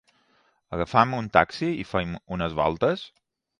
Agafem un taxi i fem unes voltes!